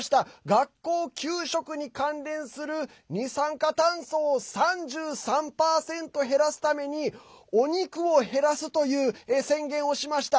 学校給食に関連する二酸化炭素を３３％減らすためにお肉を減らすという宣言しました。